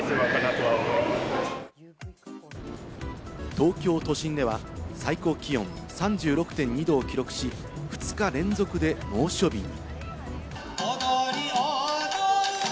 東京都心では最高気温３６．２℃を記録し、２日連続で猛暑日に。